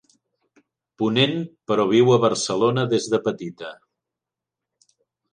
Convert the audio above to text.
Ponent, però viu a Barcelona des de petita.